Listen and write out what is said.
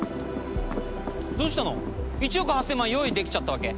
どうしたの１億８千万用意できちゃったわけ？